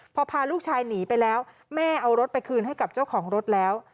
พอพาลูกชายหนีไปแล้วแม่เอารถไปคืนให้กับเจ้าของรถแล้ว